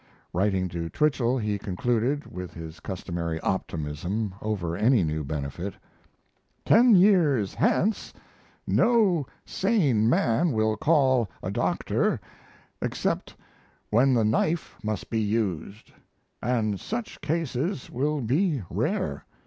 Writing to Twichell he concluded, with his customary optimism over any new benefit: Ten years hence no sane man will call a doctor except when the knife must be used & such cases will be rare.